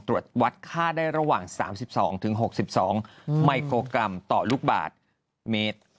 ตรวจวัดค่าได้ระหว่าง๓๒๖๒ไมโครกรัมต่อลูกบาทเมตร